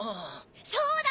そうだ！